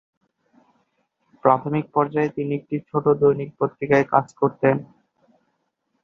প্রাথমিক পর্যায়ে তিনি একটি ছোট দৈনিক পত্রিকায় কাজ করতেন।